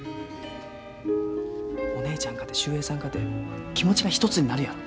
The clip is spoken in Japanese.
お姉ちゃんかて秀平さんかて気持ちが一つになるやろ。